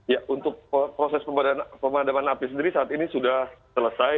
ya untuk proses pemadaman api sendiri saat ini sudah selesai